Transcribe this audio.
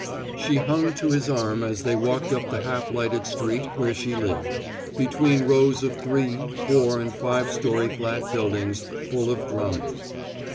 She hung to his arm as they walked up the half lighted street where she lived, between rows of three, four and five story flat buildings full of drama.